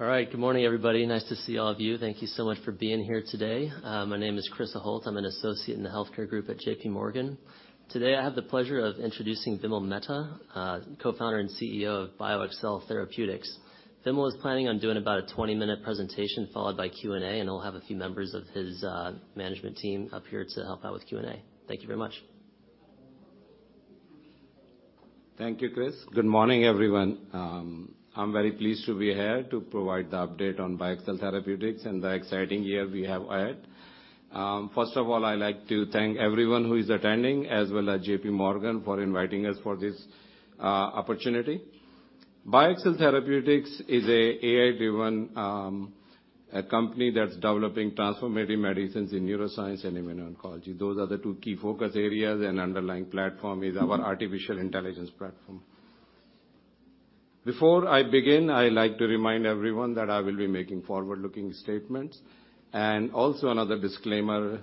All right. Good morning, everybody. Nice to see all of you. Thank you so much for being here today. My name is Chris Schott. I'm an associate in the healthcare group at JPMorgan. Today, I have the pleasure of introducing Vimal Mehta, Co-founder and CEO of BioXcel Therapeutics. Vimal is planning on doing about a 20-minute presentation, followed by Q&A, and he'll have a few members of his management team up here to help out with Q&A. Thank you very much. Thank you, Chris. Good morning, everyone. I'm very pleased to be here to provide the update on BioXcel Therapeutics and the exciting year we have ahead. First of all, I like to thank everyone who is attending as well as JPMorgan for inviting us for this opportunity. BioXcel Therapeutics is a AI-driven, a company that's developing transformative medicines in neuroscience and immuno-oncology. Those are the two key focus areas, and underlying platform is our artificial intelligence platform. Before I begin, I like to remind everyone that I will be making forward-looking statements. Also another disclaimer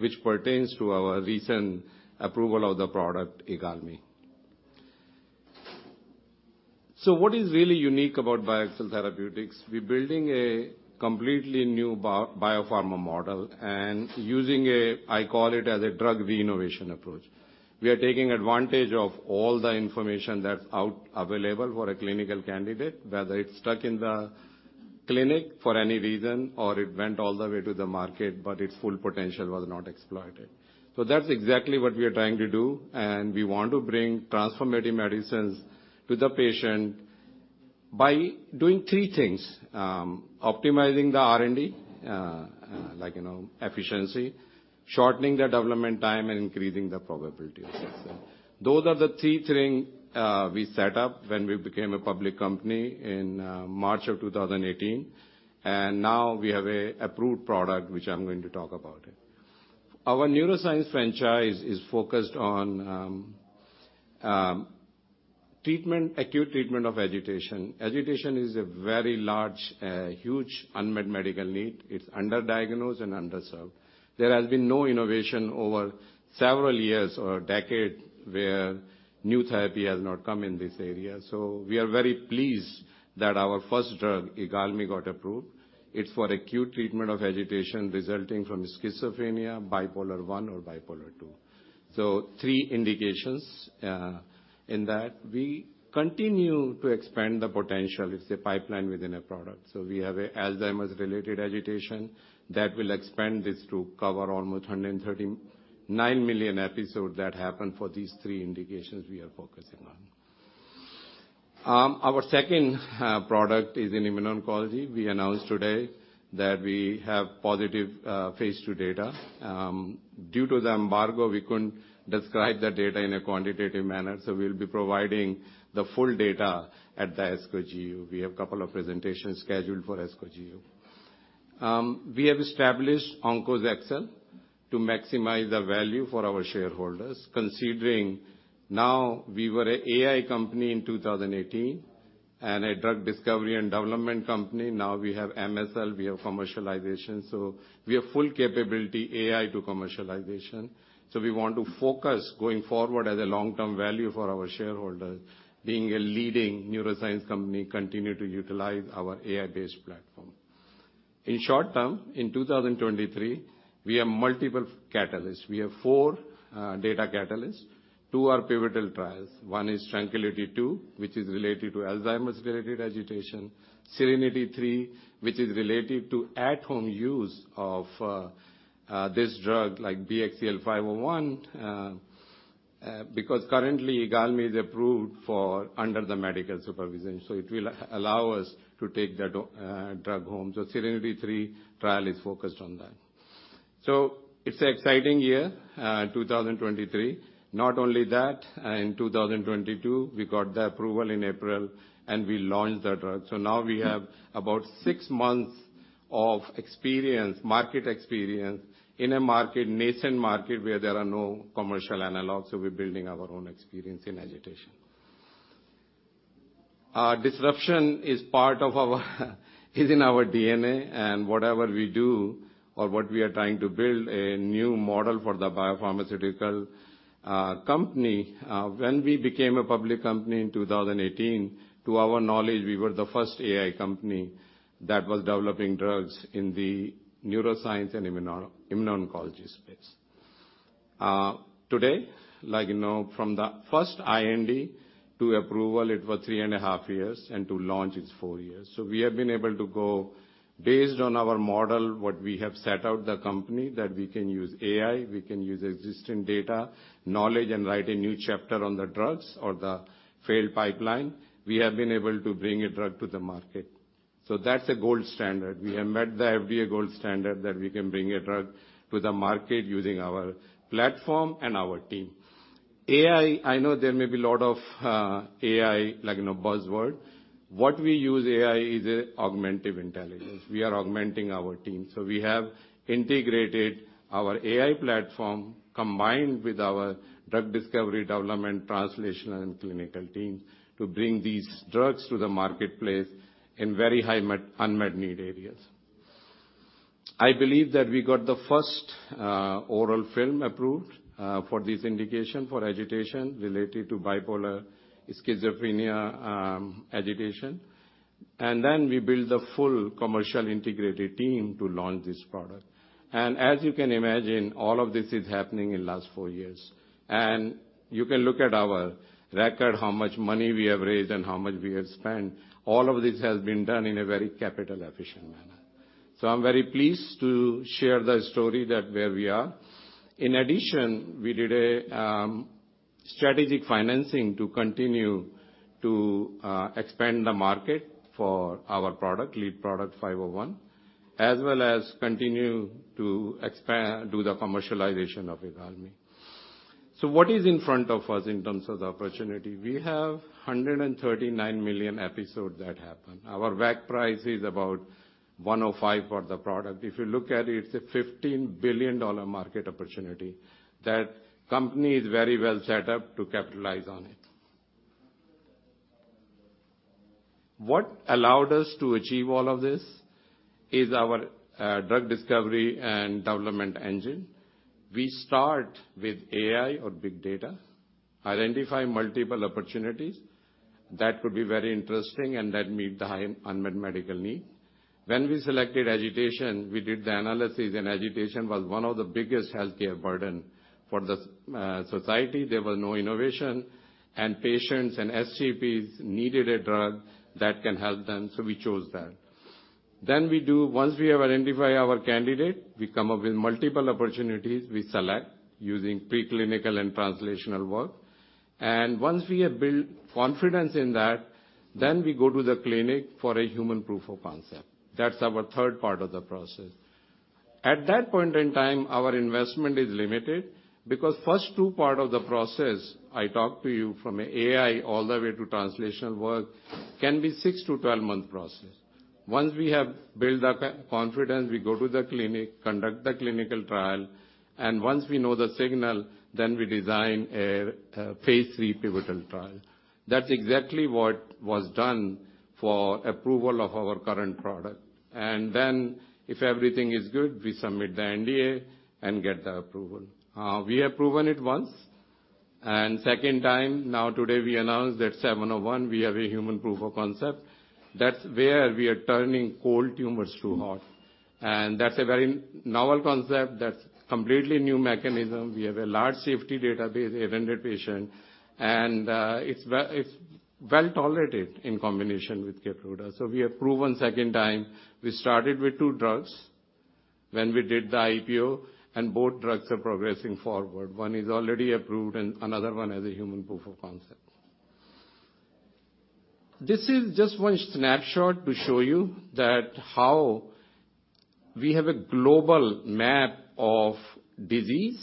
which pertains to our recent approval of the product, IGALMI. What is really unique about BioXcel Therapeutics? We're building a completely new biopharma model and using a, I call it as a drug re-innovation approach. We are taking advantage of all the information that's out available for a clinical candidate, whether it's stuck in the clinic for any reason or it went all the way to the market, but its full potential was not exploited. That's exactly what we are trying to do, and we want to bring transformative medicines to the patient by doing three things: optimizing the R&D, like, you know, efficiency, shortening the development time, and increasing the probability of success. Those are the three things we set up when we became a public company in March of 2018, and now we have a approved product which I'm going to talk about it. Our neuroscience franchise is focused on acute treatment of agitation. Agitation is a very large, huge unmet medical need. It's under-diagnosed and underserved. There has been no innovation over several years or a decade where new therapy has not come in this area. We are very pleased that our first drug, IGALMI, got approved. It's for acute treatment of agitation resulting from schizophrenia, bipolar I or bipolar II. So three indications in that. We continue to expand the potential. It's a pipeline within a product. We have Alzheimer's-related agitation that will expand this to cover almost 139 million episodes that happen for these three indications we are focusing on. Our second product is in immuno-oncology. We announced today that we have positive phase II data. Due to the embargo, we couldn't describe the data in a quantitative manner. We'll be providing the full data at the ASCO GU. We have a couple of presentations scheduled for ASCO GU. We have established OnkosXcel to maximize the value for our shareholders, considering now we were a AI company in 2018 and a drug discovery and development company. Now we have MSL, we have commercialization. We have full capability AI to commercialization. We want to focus going forward as a long-term value for our shareholders, being a leading neuroscience company, continue to utilize our AI-based platform. In short term, in 2023, we have multiple catalysts. We have four data catalysts. Two are pivotal trials. One is TRANQUILITY II, which is related to Alzheimer's-related agitation. SERENITY III, which is related to at-home use of this drug like BXCL501, because currently IGALMI is approved for under the medical supervision, so it will allow us to take that drug home. SERENITY III trial is focused on that. It's an exciting year, 2023. Not only that, in 2022, we got the approval in April, and we launched the drug. Now we have about six months of experience, market experience in a market, nascent market where there are no commercial analogs, so we're building our own experience in agitation. Our disruption is part of our is in our DNA and whatever we do or what we are trying to build a new model for the biopharmaceutical company. When we became a public company in 2018, to our knowledge, we were the first AI company that was developing drugs in the neuroscience and immuno-oncology space. Today, like you know, from the first IND to approval, it was three and a half years, and to launch, it's four years. We have been able to go based on our model, what we have set out the company, that we can use AI, we can use existing data, knowledge, and write a new chapter on the drugs or the failed pipeline. We have been able to bring a drug to the market. That's a gold standard. We have met the FDA gold standard that we can bring a drug to the market using our platform and our team. AI, I know there may be a lot of AI, like, you know, buzzword. What we use AI is a augmentive intelligence. We are augmenting our team. We have integrated our AI platform, combined with our drug discovery, development, translation, and clinical team to bring these drugs to the marketplace in very high unmet need areas. I believe that we got the first oral film approved for this indication for agitation related to bipolar schizophrenia, agitation. Then we built the full commercial integrated team to launch this product. As you can imagine, all of this is happening in last four years. You can look at our record, how much money we have raised and how much we have spent. All of this has been done in a very capital efficient manner. I'm very pleased to share the story that where we are. In addition, we did a strategic financing to continue to expand the market for our product, lead product BXCL501, as well as continue to do the commercialization of IGALMI. What is in front of us in terms of the opportunity? We have 139 million episodes that happen. Our WAC price is about $105 for the product. If you look at it's a $15 billion market opportunity that company is very well set up to capitalize on it. What allowed us to achieve all of this is our drug discovery and development engine. We start with AI or big data, identify multiple opportunities that could be very interesting and that meet the high unmet medical need. When we selected agitation, we did the analysis, and agitation was one of the biggest healthcare burden for the society. There was no innovation, and patients and SGPs needed a drug that can help them. We chose that. Once we have identified our candidate, we come up with multiple opportunities. We select using preclinical and translational work. Once we have built confidence in that, we go to the clinic for a human proof of concept. That's our third part of the process. At that point in time, our investment is limited because first two part of the process, I talked to you from AI all the way to translational work, can be six-12 month process. Once we have built the confidence, we go to the clinic, conduct the clinical trial. Once we know the signal, we design a phase three pivotal trial. That's exactly what was done for approval of our current product. If everything is good, we submit the NDA and get the approval. We have proven it once. Second time, now today we announced that 701, we have a human proof of concept. That's where we are turning cold tumors to hot. That's a very novel concept. That's completely new mechanism. We have a large safety database, 800 patient, and it's well-tolerated in combination with Keytruda. We have proven second time. We started with two drugs when we did the IPO, and both drugs are progressing forward. One is already approved and another one has a human proof of concept. This is just one snapshot to show you that how we have a global map of disease,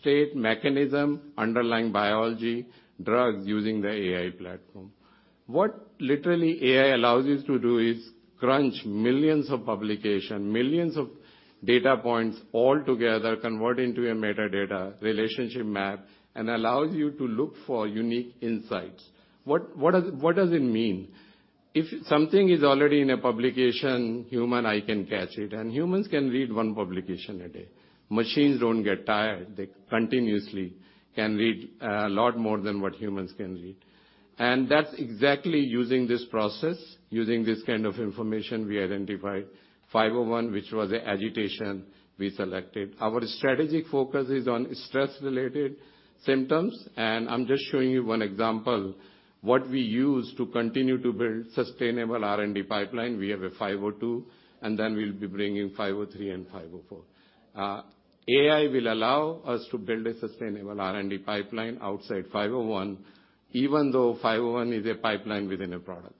state mechanism, underlying biology, drugs using the AI platform. What literally AI allows us to do is crunch millions of publication, millions of data points all together, convert into a metadata relationship map, and allows you to look for unique insights. What does it mean? If something is already in a publication, human eye can catch it, humans can read one publication a day. Machines don't get tired. They continuously can read a lot more than what humans can read. That's exactly using this process, using this kind of information, we identified BXCL501, which was an agitation we selected. Our strategic focus is on stress-related symptoms, I'm just showing you one example, what we use to continue to build sustainable R&D pipeline. We have a BXCL502, we'll be bringing BXCL503 and BXCL504. AI will allow us to build a sustainable R&D pipeline outside 501, even though 501 is a pipeline within a product.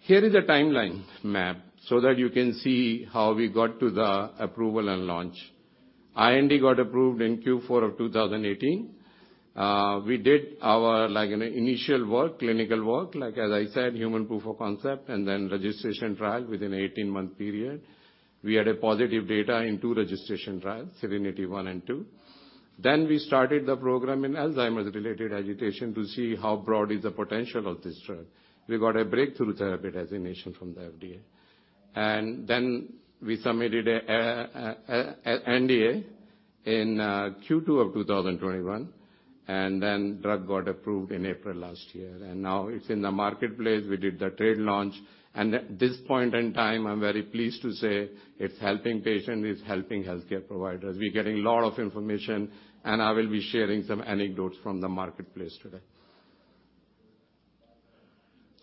Here is a timeline map so that you can see how we got to the approval and launch. IND got approved in Q4 of 2018. We did our initial work, clinical work, like as I said, human proof of concept, and then registration trial within 18-month period. We had a positive data in two registration trials, SERENITY I and II. We started the program in Alzheimer's related agitation to see how broad is the potential of this drug. We got a Breakthrough Therapy designation from the FDA. We submitted a NDA in Q2 of 2021, drug got approved in April last year. Now it's in the marketplace. We did the trade launch. At this point in time, I'm very pleased to say it's helping patient, it's helping healthcare providers. We're getting a lot of information, and I will be sharing some anecdotes from the marketplace today.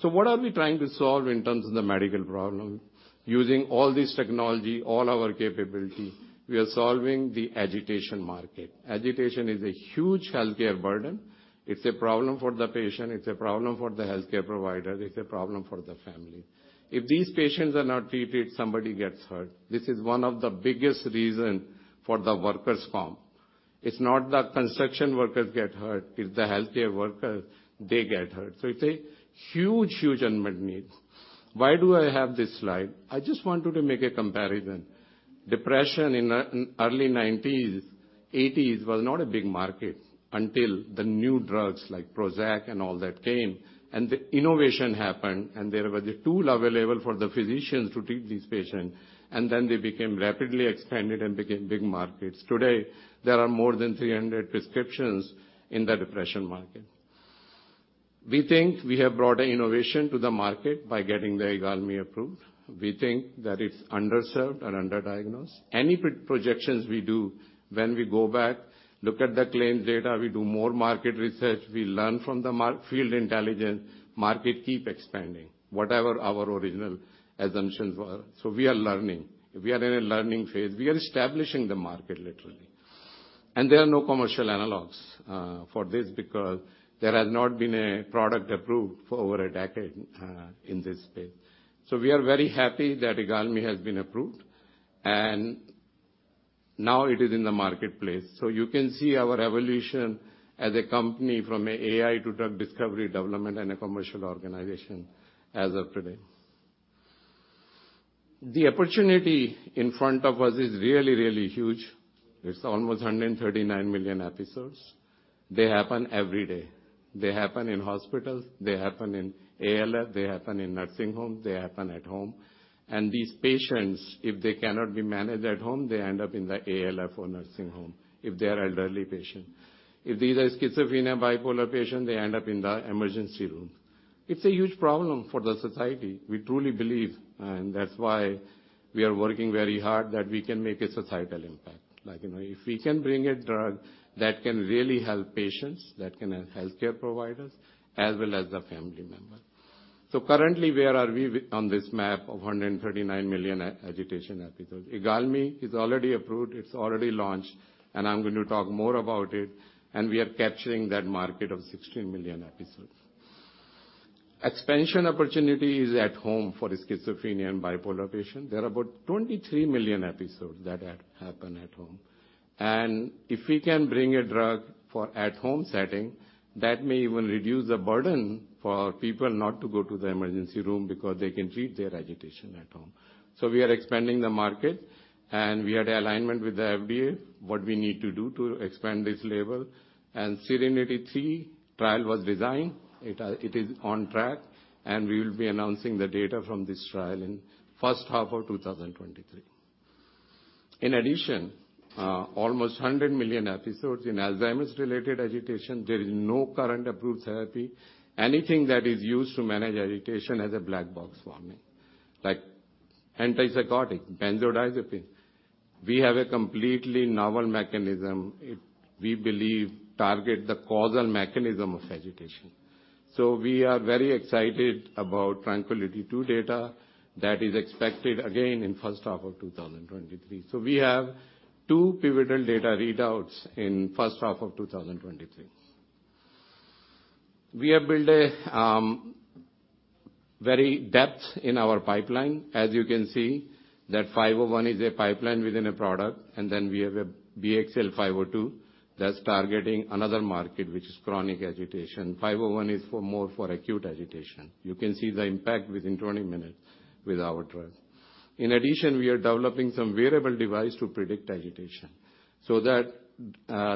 What are we trying to solve in terms of the medical problem? Using all this technology, all our capability, we are solving the agitation market. Agitation is a huge healthcare burden. It's a problem for the patient, it's a problem for the healthcare provider, it's a problem for the family. If these patients are not treated, somebody gets hurt. This is one of the biggest reason for the workers comp. It's not the construction workers get hurt, it's the healthcare worker, they get hurt. It's a huge unmet need. Why do I have this slide? I just want you to make a comparison. Depression in nineties'80s was not a big market until the new drugs like Prozac and all that came. The innovation happened. There were the tool available for the physicians to treat these patients. They became rapidly expanded and became big markets. Today, there are more than 300 prescriptions in the depression market. We think we have brought an innovation to the market by getting the IGALMI approved. We think that it's underserved and under-diagnosed. Any projections we do when we go back, look at the claims data, we do more market research, we learn from the field intelligence, market keep expanding, whatever our original assumptions were. We are learning. We are in a learning phase. We are establishing the market literally. There are no commercial analogs for this because there has not been a product approved for over a decade in this space. We are very happy that IGALMI has been approved, and now it is in the marketplace. You can see our evolution as a company from AI to drug discovery, development, and a commercial organization as of today. The opportunity in front of us is really, really huge. It's almost 139 million episodes. They happen every day. They happen in hospitals, they happen in ALF, they happen in nursing homes, they happen at home. These patients, if they cannot be managed at home, they end up in the ALF or nursing home if they are elderly patient. If these are schizophrenia, bipolar patient, they end up in the emergency room. It's a huge problem for the society, we truly believe, and that's why we are working very hard that we can make a societal impact. Like, you know, if we can bring a drug that can really help patients, that can help healthcare providers, as well as the family member. Currently, on this map of 139 million agitation episodes? IGALMI is already approved, it's already launched, and I'm going to talk more about it, and we are capturing that market of 16 million episodes. Expansion opportunity is at home for the schizophrenia and bipolar patient. There are about 23 million episodes that happen at home. If we can bring a drug for at-home setting, that may even reduce the burden for people not to go to the emergency room because they can treat their agitation at home. We are expanding the market, and we are in alignment with the FDA, what we need to do to expand this label. SERENITY III trial was designed. It is on track, and we will be announcing the data from this trial in first half of 2023. In addition, almost 100 million episodes in Alzheimer's related agitation, there is no current approved therapy. Anything that is used to manage agitation has a black box warning, like antipsychotic, benzodiazepine. We have a completely novel mechanism, it, we believe target the causal mechanism of agitation. We are very excited about TRANQUILITY II data that is expected again in first half of 2023. We have two pivotal data readouts in first half of 2023. We have built a very depth in our pipeline. As you can see, that 501 is a pipeline within a product, and then we have a BXCL502 that's targeting another market, which is chronic agitation. 501 is for more for acute agitation. You can see the impact within 20 minutes with our drug. In addition, we are developing some wearable device to predict agitation, so that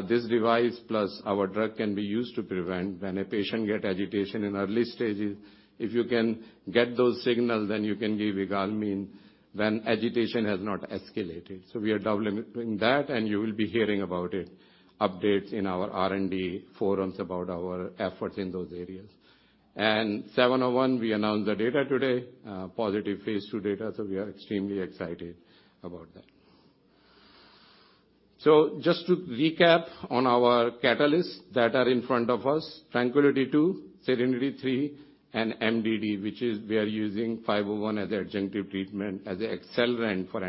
this device plus our drug can be used to prevent when a patient get agitation in early stages. If you can get those signals, then you can give IGALMI when agitation has not escalated. We are developing that, and you will be hearing about it, updates in our R&D forums about our efforts in those areas. 701, we announced the data today, positive phase II data, so we are extremely excited about that. Just to recap on our catalysts that are in front of us, TRANQUILITY II, SERENITY III, and MDD, which is we are using 501 as adjunctive treatment, as an accelerant for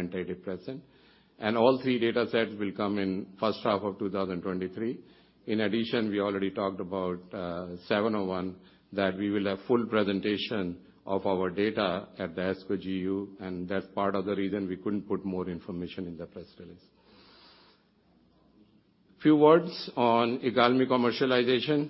antidepressant. All three datasets will come in first half of 2023. In addition, we already talked about 701, that we will have full presentation of our data at the ASCO GU, and that's part of the reason we couldn't put more information in the press release. Few words on IGALMI commercialization.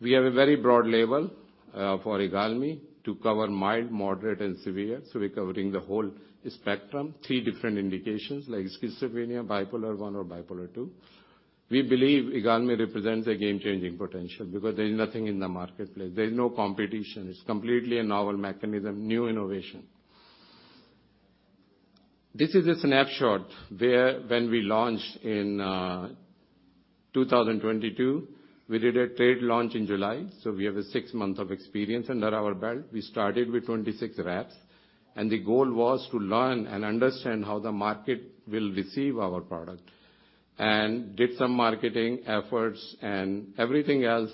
We have a very broad label for IGALMI to cover mild, moderate, and severe, so we're covering the whole spectrum, three different indications like schizophrenia, bipolar I or bipolar II. We believe IGALMI represents a game-changing potential because there is nothing in the marketplace. There's no competition. It's completely a novel mechanism, new innovation. This is a snapshot where when we launched in 2022, we did a trade launch in July. We have a six month of experience under our belt. We started with 26 reps, and the goal was to learn and understand how the market will receive our product, and did some marketing efforts and everything else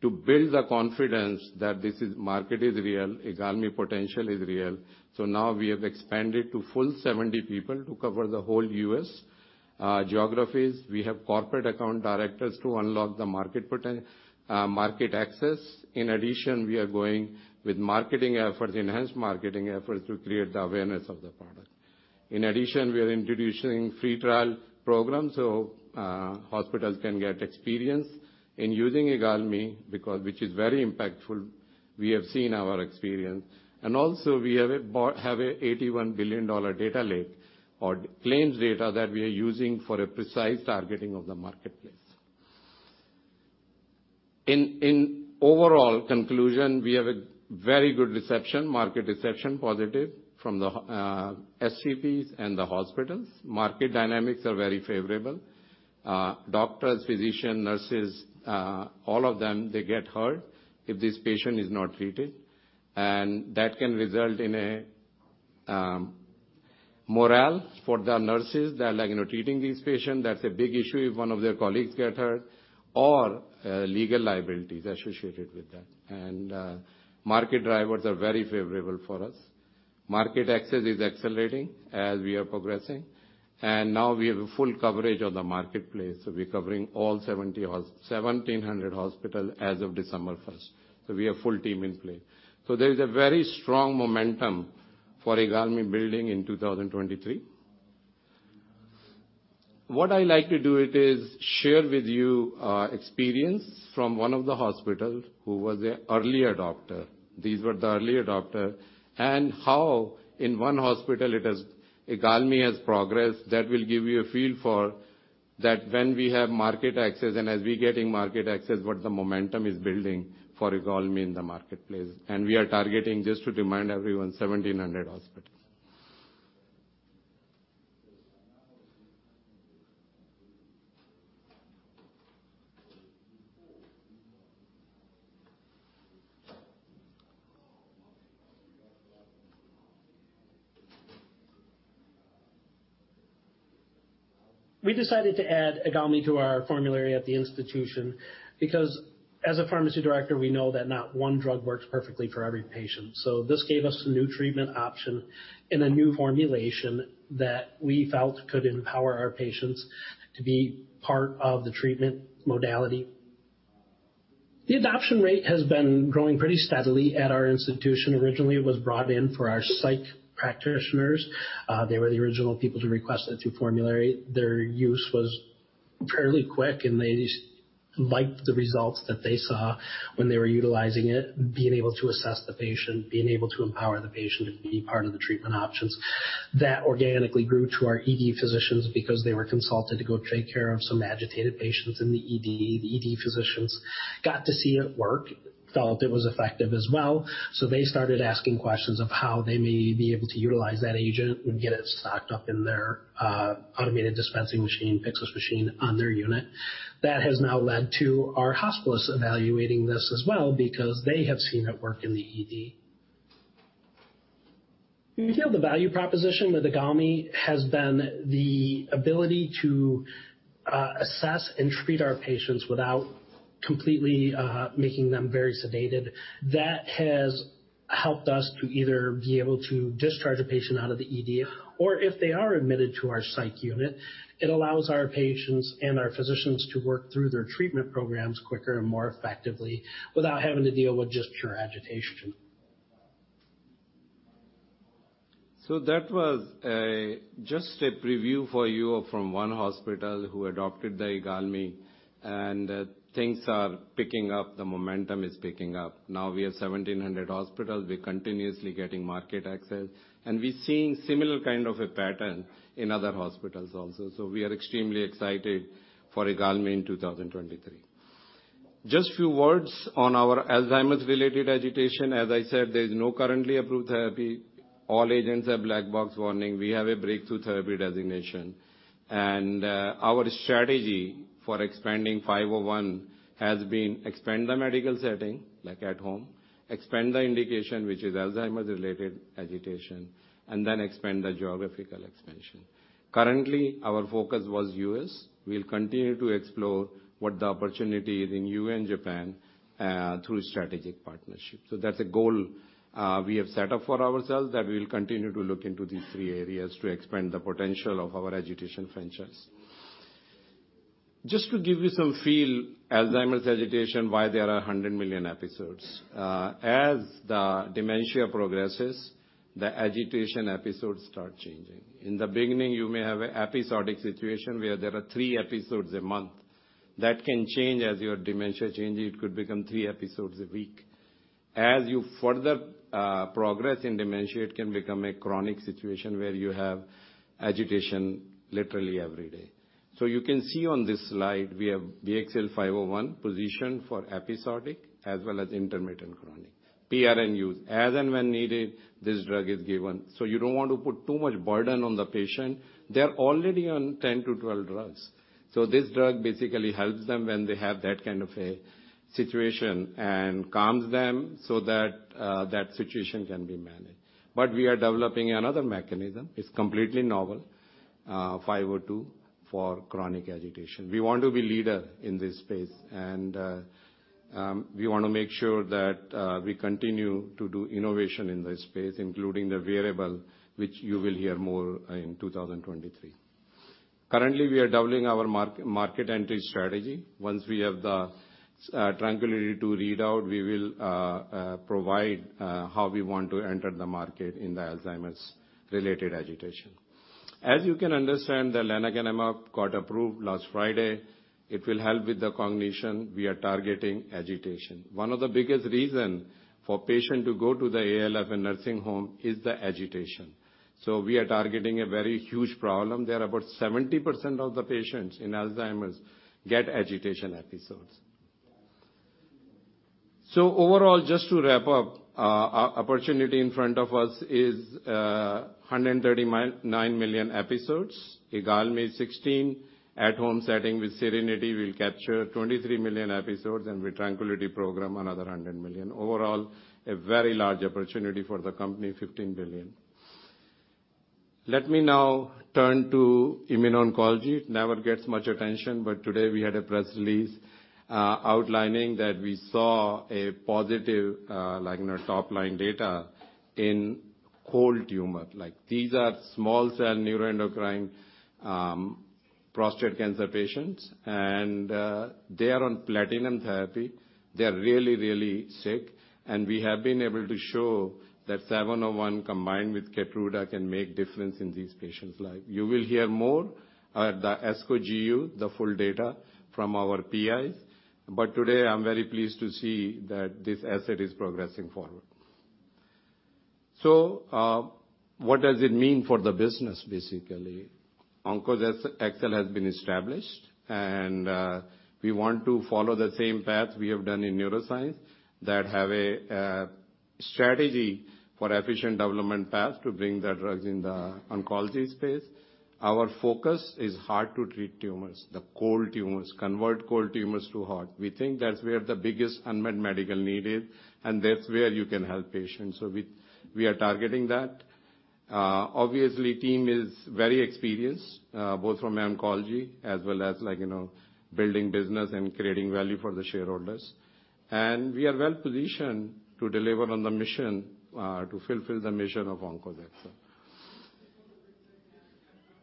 to build the confidence that this is. Market is real, IGALMI potential is real. Now we have expanded to full 70 people to cover the whole U.S. geographies. We have corporate account directors to unlock the market access. We are going with marketing efforts, enhanced marketing efforts to create the awareness of the product. We are introducing free trial program, so hospitals can get experience in using IGALMI because. Which is very impactful. We have seen our experience. We have a $81 billion data lake or claims data that we are using for a precise targeting of the marketplace. In overall conclusion, we have a very good reception, market reception, positive from the STPs and the hospitals. Market dynamics are very favorable. Doctors, physicians, nurses, all of them, they get hurt if this patient is not treated, and that can result in a morale for the nurses. They're like, you know, treating these patients, that's a big issue if one of their colleagues get hurt or legal liabilities associated with that. Market drivers are very favorable for us. Market access is accelerating as we are progressing, and now we have a full coverage of the marketplace. We're covering all 1,700 hospitals as of December first. We have full team in play. There is a very strong momentum for IGALMI building in 2023. What I like to do it is share with you our experience from one of the hospitals who was a early adopter. These were the early adopter, and how in one hospital IGALMI has progressed. That will give you a feel for that when we have market access, and as we're getting market access, what the momentum is building for IGALMI in the marketplace. We are targeting, just to remind everyone, 1,700 hospitals. We decided to add IGALMI to our formulary at the institution because as a pharmacy director, we know that not one drug works perfectly for every patient. This gave us a new treatment option and a new formulation that we felt could empower our patients to be part of the treatment modality. The adoption rate has been growing pretty steadily at our institution. Originally, it was brought in for our psych practitioners. They were the original people to request it through formulary. Their use was fairly quick, and they liked the results that they saw when they were utilizing it, being able to assess the patient, being able to empower the patient to be part of the treatment options. That organically grew to our ED physicians because they were consulted to go take care of some agitated patients in the ED. The ED physicians got to see it work, felt it was effective as well. They started asking questions of how they may be able to utilize that agent and get it stocked up in their automated dispensing machine, Pyxis machine on their unit. That has now led to our hospitalists evaluating this as well because they have seen it work in the ED. We feel the value proposition with IGALMI has been the ability to assess and treat our patients without completely making them very sedated. That has helped us to either be able to discharge a patient out of the ED, or if they are admitted to our psych unit, it allows our patients and our physicians to work through their treatment programs quicker and more effectively without having to deal with just pure agitation. That was just a preview for you from one hospital who adopted the IGALMI, and things are picking up. The momentum is picking up. Now we have 1,700 hospitals. We're continuously getting market access, and we're seeing similar kind of a pattern in other hospitals also. We are extremely excited for IGALMI in 2023. Just few words on our Alzheimer's related agitation. As I said, there's no currently approved therapy. All agents have black box warning. We have a Breakthrough Therapy designation. Our strategy for expanding 501 has been expand the medical setting, like at home, expand the indication, which is Alzheimer's related agitation, and then expand the geographical expansion. Currently, our focus was U.S. We'll continue to explore what the opportunity is in U.S. and Japan through strategic partnerships. That's a goal we have set up for ourselves that we'll continue to look into these three areas to expand the potential of our agitation franchise. Just to give you some feel, Alzheimer's agitation, why there are 100 million episodes. As the dementia progresses, the agitation episodes start changing. In the beginning, you may have a episodic situation where there are three episodes a month. That can change as your dementia changes. It could become three episodes a week. As you further progress in dementia, it can become a chronic situation where you have agitation literally every day. You can see on this slide, we have BXCL501 positioned for episodic as well as intermittent chronic. PRN use. As and when needed, this drug is given. You don't want to put too much burden on the patient. They're already on 10-12 drugs. This drug basically helps them when they have that kind of a situation and calms them so that that situation can be managed. We are developing another mechanism. It's completely novel, BXCL502, for chronic agitation. We want to be leader in this space and we wanna make sure that we continue to do innovation in this space, including the wearable, which you will hear more in 2023. Currently, we are doubling our market entry strategy. Once we have the TRANQUILITY II readout, we will provide how we want to enter the market in the Alzheimer's related agitation. As you can understand, the lecanemab got approved last Friday. It will help with the cognition. We are targeting agitation. One of the biggest reason for patient to go to the ALF and nursing home is the agitation. We are targeting a very huge problem. There are about 70% of the patients in Alzheimer's get agitation episodes. Overall, just to wrap up, our opportunity in front of us is 139 million episodes. IGALMI 16 at home setting with SERENITY will capture 23 million episodes, and with TRANQUILITY program, another 100 million. Overall, a very large opportunity for the company, $15 billion. Let me now turn to immuno-oncology. It never gets much attention, today we had a press release, like, you know, outlining that we saw a positive top-line data in cold tumor. Like, these are small cell neuroendocrine prostate cancer patients, and they are on platinum therapy. They are really, really sick, and we have been able to show that 701 combined with Keytruda can make difference in these patients' life. You will hear more at the ASCO GU, the full data from our PIs. Today, I'm very pleased to see that this asset is progressing forward. What does it mean for the business, basically? OnkosXcel has been established, and we want to follow the same path we have done in neuroscience that have a strategy for efficient development path to bring the drugs in the oncology space. Our focus is hard-to-treat tumors, the cold tumors, convert cold tumors to hot. We think that's where the biggest unmet medical need is, and that's where you can help patients. We are targeting that. Obviously, team is very experienced, both from oncology as well as like, you know, building business and creating value for the shareholders. We are well-positioned to deliver on the mission, to fulfill the mission of OnkosXcel.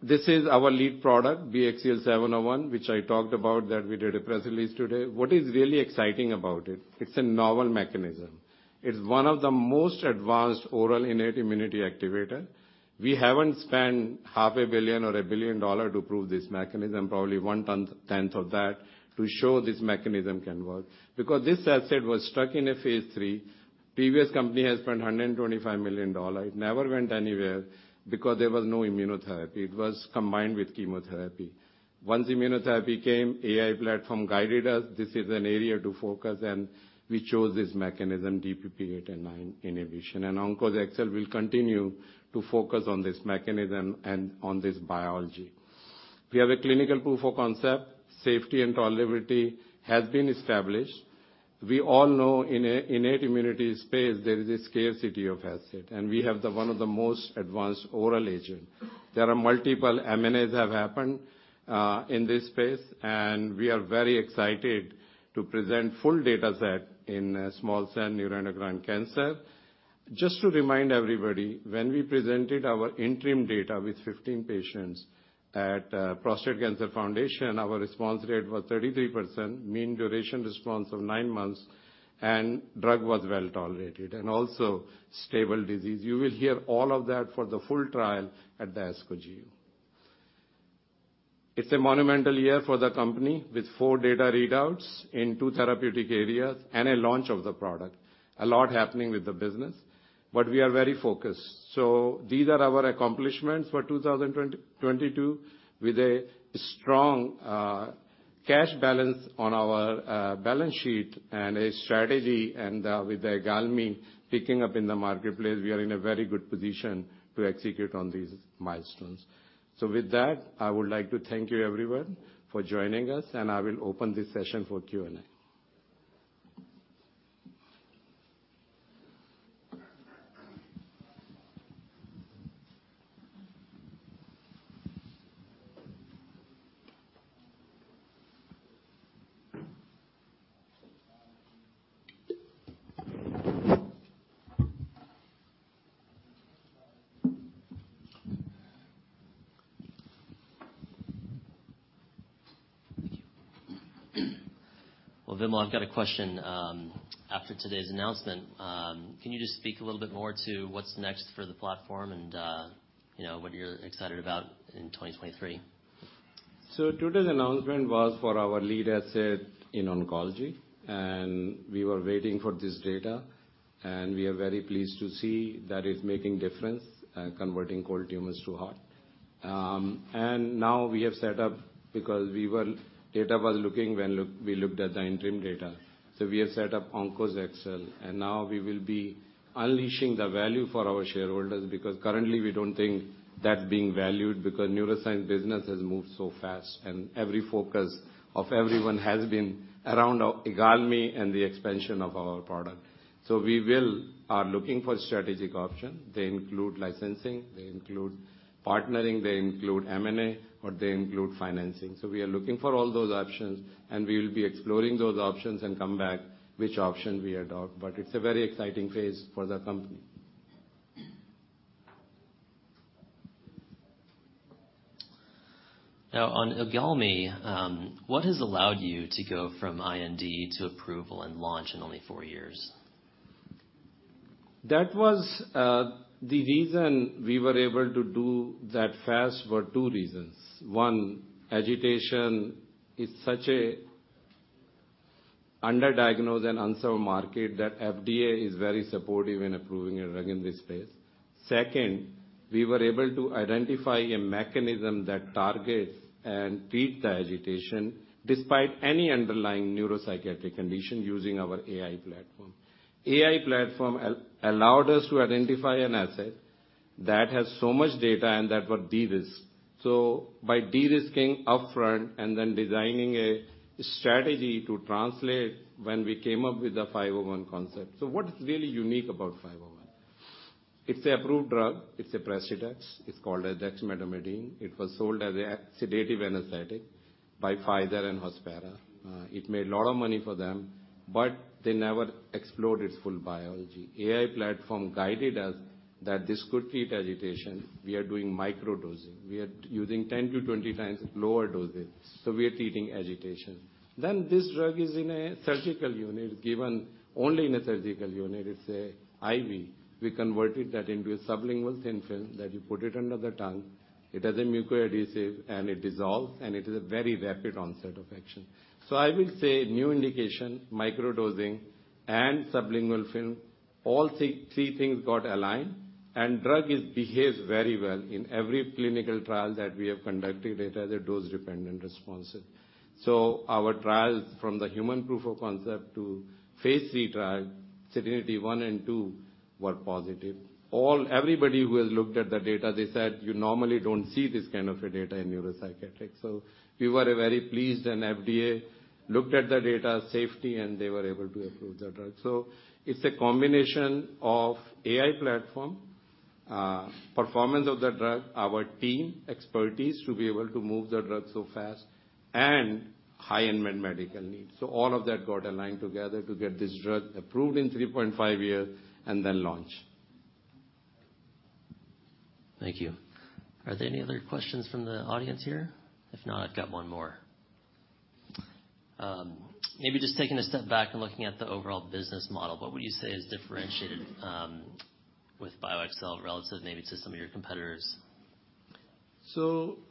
This is our lead product, BXCL701, which I talked about, that we did a press release today. What is really exciting about it's a novel mechanism. It's one of the most advanced oral innate immunity activator. We haven't spent $0.5 billion or $1 billion to prove this mechanism, probably one tenth of that, to show this mechanism can work. Because this asset was stuck in a phase III. Previous company has spent $125 million. It never went anywhere because there was no immunotherapy. It was combined with chemotherapy. Once immunotherapy came, AI platform guided us, this is an area to focus, we chose this mechanism, DPP8 and DPP9 inhibition. OnkosXcel will continue to focus on this mechanism and on this biology. We have a clinical proof of concept. Safety and tolerability has been established. We all know in innate immunity space, there is a scarcity of asset, and we have the one of the most advanced oral agent. There are multiple M&A have happened in this space, and we are very excited to present full data set in small cell neuroendocrine cancer. Just to remind everybody, when we presented our interim data with 15 patients at Prostate Cancer Foundation, our response rate was 33%, mean duration response of nine months, and drug was well-tolerated and also stable disease. You will hear all of that for the full trial at the ASCO GU. It's a monumental year for the company with four data readouts in two therapeutic areas and a launch of the product. A lot happening with the business, but we are very focused. These are our accomplishments for 2022. With a strong cash balance on our balance sheet and a strategy, and with the IGALMI picking up in the marketplace, we are in a very good position to execute on these milestones. With that, I would like to thank you everyone for joining us, and I will open this session for Q&A. Well, Vimal, I've got a question, after today's announcement. Can you just speak a little bit more to what's next for the platform and, you know, what you're excited about in 2023? Today's announcement was for our lead asset in oncology, and we were waiting for this data, and we are very pleased to see that it's making difference, converting cold tumors to hot. Now we have set up because data was looking when we looked at the interim data. We have set up OnkosXcel Therapeutics, and now we will be unleashing the value for our shareholders because currently we don't think that being valued because neuroscience business has moved so fast and every focus of everyone has been around our IGALMI and the expansion of our product. We are looking for strategic option. They include licensing, they include partnering, they include M&A or they include financing. We are looking for all those options, and we will be exploring those options and come back which option we adopt. It's a very exciting phase for the company. On IGALMI, what has allowed you to go from IND to approval and launch in only four years? That was the reason we were able to do that fast were two reasons. One, agitation is such a under-diagnosed and unsolved market that FDA is very supportive in approving a drug in this space. Second, we were able to identify a mechanism that targets and treat the agitation despite any underlying neuropsychiatric condition using our AI platform. AI platform allowed us to identify an asset that has so much data and that were de-risked. By de-risking upfront and then designing a strategy to translate when we came up with the 501 concept. What is really unique about 501? It's a approved drug. It's a Precedex. It's called dexmedetomidine. It was sold as a sedative anesthetic by Pfizer and Hospira. It made a lot of money for them, but they never explored its full biology. AI platform guided us that this could treat agitation. We are doing micro-dosing. We are using 10 to 20 times lower dosage, we are treating agitation. this drug is in a surgical unit, given only in a surgical unit. It's a IV. We converted that into a sublingual thin film that you put it under the tongue. It has a mucoadhesive, and it dissolves, and it is a very rapid onset of action. I will say new indication, micro-dosing and sublingual film, all three things got aligned. drug is behaves very well in every clinical trial that we have conducted it as a dose-dependent response. our trials from the human proof of concept to phase III trial, SERENITY I and II, were positive. Everybody who has looked at the data, they said you normally don't see this kind of a data in neuropsychiatric. We were very pleased, and FDA looked at the data safety, and they were able to approve the drug. It's a combination of AI platform, performance of the drug, our team expertise to be able to move the drug so fast, and high unmet medical needs. All of that got aligned together to get this drug approved in 3.5 year and then launch. Thank you. Are there any other questions from the audience here? If not, I've got one more. Maybe just taking a step back and looking at the overall business model, what would you say is differentiated with BioXcel relative maybe to some of your competitors?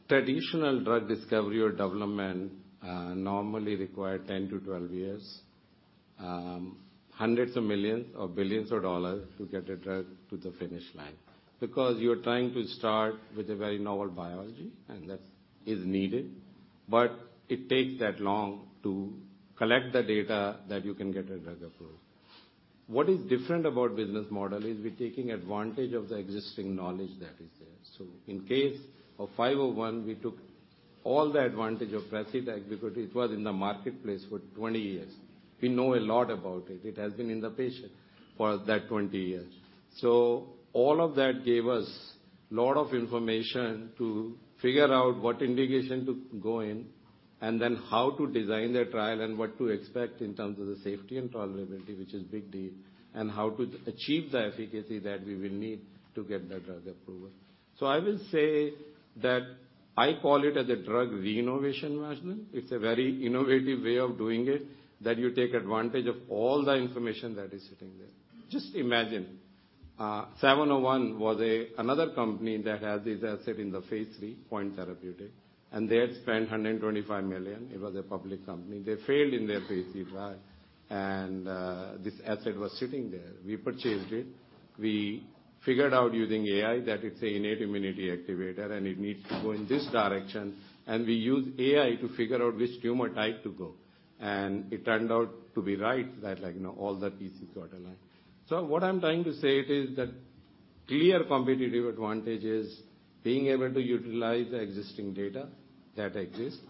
Traditional drug discovery or development normally require 10-12 years, $100s of millions or billions to get a drug to the finish line, because you're trying to start with a very novel biology, and that is needed. It takes that long to collect the data that you can get a drug approved. What is different about business model is we're taking advantage of the existing knowledge that is there. In case of BXCL501, we took all the advantage of Precedex because it was in the marketplace for 20 years. We know a lot about it. It has been in the patient for that 20 years. All of that gave us lot of information to figure out what indication to go in and then how to design the trial and what to expect in terms of the safety and tolerability, which is big deal, and how to achieve the efficacy that we will need to get the drug approval. I will say that I call it as a drug reinnovation, Rajan. It's a very innovative way of doing it, that you take advantage of all the information that is sitting there. Just imagine, 701 was another company that has this asset in the phase III, Point Therapeutics, and they had spent $125 million. It was a public company. They failed in their phase III trial, and this asset was sitting there. We purchased it. We figured out using AI that it's an innate immunity activator, and it needs to go in this direction. We used AI to figure out which tumor type to go. It turned out to be right that like, you know, all the pieces got aligned. What I'm trying to say it is that clear competitive advantage is being able to utilize the existing data that exists.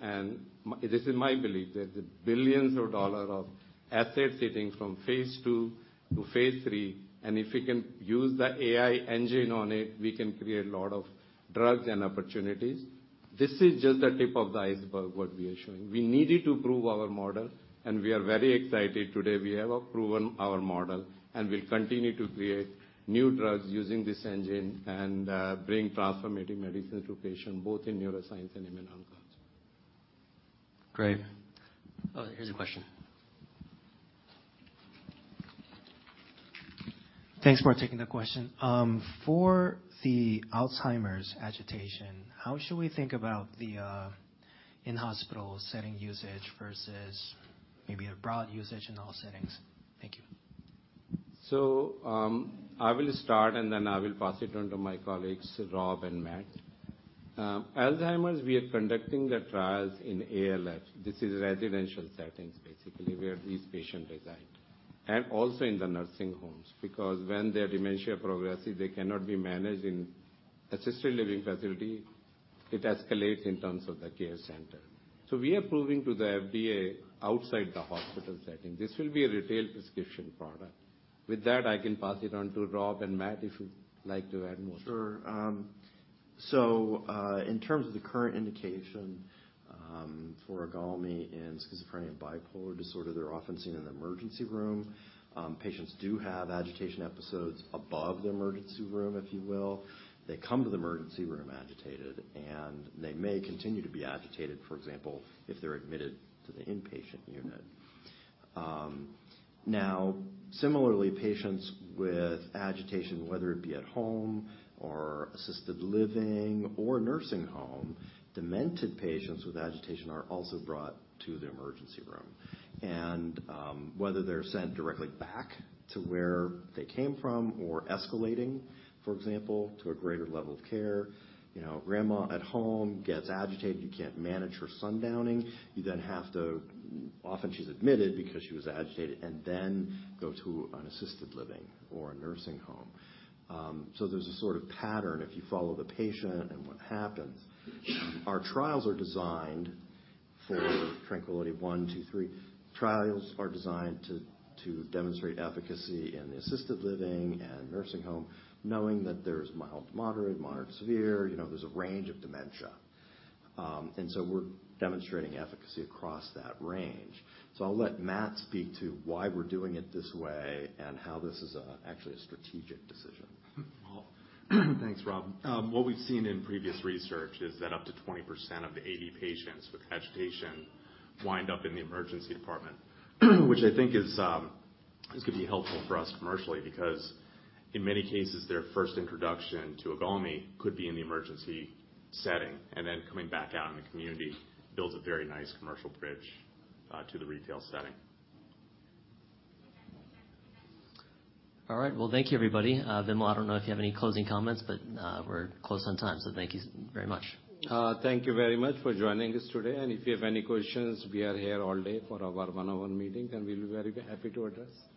This is my belief that the billions of dollars of assets sitting from phase II to phase III, and if we can use the AI engine on it, we can create a lot of drugs and opportunities. This is just the tip of the iceberg, what we are showing. We needed to prove our model, and we are very excited today. We have proven our model, and we'll continue to create new drugs using this engine and bring transformative medicines to patients both in neuroscience and immunology. Great. Oh, here's a question. Thanks for taking the question. For the Alzheimer's agitation, how should we think about the in-hospital setting usage versus maybe a broad usage in all settings? Thank you. I will start, and then I will pass it on to my colleagues, Rob and Matt. Alzheimer's, we are conducting the trials in ALF. This is residential settings, basically, where these patients reside, and also in the nursing homes. When their dementia progresses, they cannot be managed in assisted living facility, it escalates in terms of the care center. We are proving to the FDA outside the hospital setting. This will be a retail prescription product. With that, I can pass it on to Rob and Matt, if you'd like to add more. Sure. In terms of the current indication, for IGALMI in schizophrenia and bipolar disorder, they're often seen in the emergency room. Patients do have agitation episodes above the emergency room, if you will. They come to the emergency room agitated, and they may continue to be agitated, for example, if they're admitted to the inpatient unit. Similarly, patients with agitation, whether it be at home or assisted living or nursing home, demented patients with agitation are also brought to the emergency room. Whether they're sent directly back to where they came from or escalating, for example, to a greater level of care. You know, grandma at home gets agitated. You can't manage her sundowning. Often she's admitted because she was agitated and then go to an assisted living or a nursing home. There's a sort of pattern if you follow the patient and what happens. Our trials are designed for TRANQUILITY I, II, III. Trials are designed to demonstrate efficacy in the assisted living and nursing home, knowing that there's mild to moderate to severe. You know, there's a range of dementia. We're demonstrating efficacy across that range. I'll let Matt speak to why we're doing it this way and how this is actually a strategic decision. Well, thanks, Rob. What we've seen in previous research is that up to 20% of the AD patients with agitation wind up in the emergency department, which I think is going to be helpful for us commercially, because in many cases, their first introduction to IGALMI could be in the emergency setting, and then coming back out in the community builds a very nice commercial bridge, to the retail setting. All right. Thank you, everybody. Vimal, I don't know if you have any closing comments, but we're close on time, so thank you very much. Thank you very much for joining us today. If you have any questions, we are here all day for our one-on-one meeting, and we'll be very happy to address.